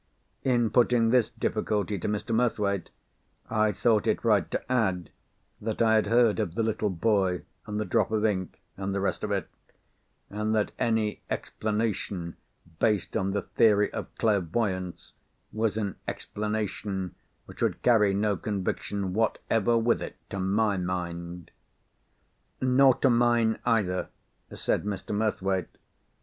In putting this difficulty to Mr. Murthwaite, I thought it right to add that I had heard of the little boy, and the drop of ink, and the rest of it, and that any explanation based on the theory of clairvoyance was an explanation which would carry no conviction whatever with it, to my mind. "Nor to mine either," said Mr. Murthwaite.